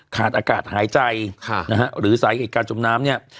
ขาดอากาศหายใจนะฮะหรือสาเหตุการจมน้ำเนี่ย